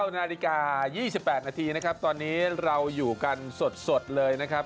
นาฬิกา๒๘นาทีนะครับตอนนี้เราอยู่กันสดเลยนะครับ